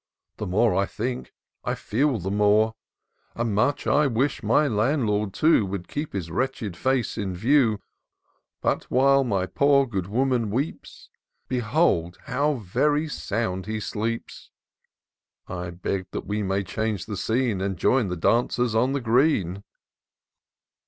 The more I think, I feel the more : And much I wish my Landlord too Would keep his wretched fate in view ; But while my poor good woman weeps, Behold how very sound he sleeps I I beg that we may change the scene. And join the dancers on the green."